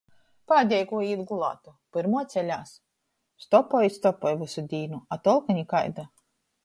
Pādeiguo īt gulātu, pyrmuo ceļās. Stopoj i stopoj vysu dīnu, a tolka nikaida.